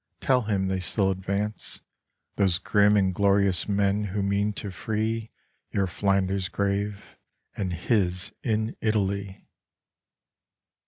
Tell him they still advance, Those grim and glorious men who mean to free Your Flanders grave, and his in Italy